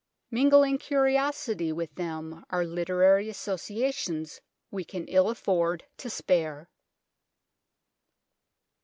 Mingling curiously with them are literary associations we can ill afford to spare.